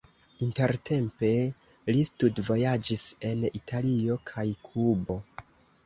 Intertempe li studvojaĝis en Italio kaj Kubo.